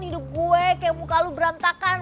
hidup gue kayak muka lu berantakan